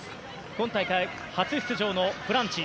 今大会、初出場のフランチ。